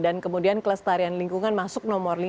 dan kemudian keles tarian lingkungan masuk nomor lima